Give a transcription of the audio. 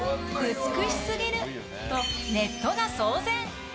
美しすぎる！とネットが騒然。